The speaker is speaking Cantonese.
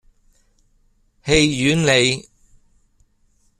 戲院里